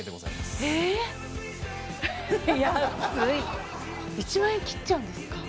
すい１万円切っちゃうんですか？